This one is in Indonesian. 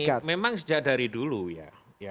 ya jadi begini memang sejak dari dulu ya